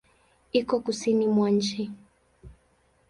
Iko Kusini mwa nchi.